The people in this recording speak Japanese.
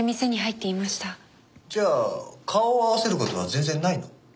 じゃあ顔を合わせる事は全然ないの？